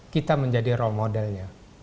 kita menjadi role modelnya